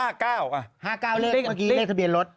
เมื่อกี้เลขทะเบียนรถ